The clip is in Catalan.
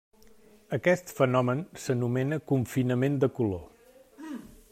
Aquest fenomen s'anomena confinament de color.